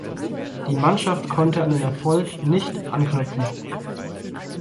Die Mannschaft konnte an den Erfolg nicht anknüpfen.